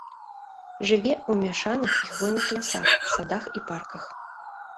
Жыве ў мяшаных і хвойных лясах, садах і парках.